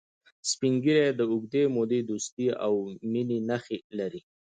سپین ږیری د اوږدې مودې دوستی او مینې نښې لري